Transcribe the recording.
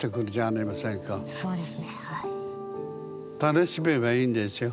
楽しめばいいんですよ。